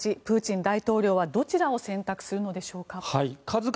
プーチン大統領はどちらを選択するのでしょうか。